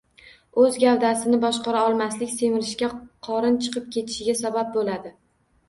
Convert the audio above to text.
O‘z gavdasini boshqara olmaslik semirishga, qorin chiqib ketishiga sabab bo‘ladi.